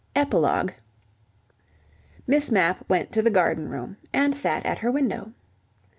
EPILOGUE Miss Mapp went to the garden room and sat at her window.